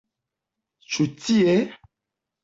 Ĉu tie?